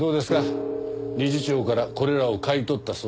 理事長からこれらを買い取ったそうですよ。